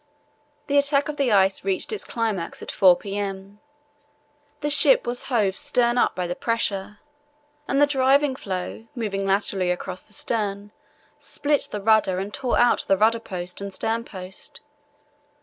The attack of the ice reached its climax at 4 p.m. The ship was hove stern up by the pressure, and the driving floe, moving laterally across the stern, split the rudder and tore out the rudder post and stern post.